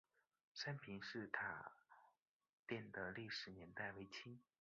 三平寺塔殿的历史年代为清。